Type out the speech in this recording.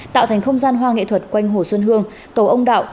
tạo thành không gian hoa nghệ thuật quanh hồ xuân hương cầu ông đạo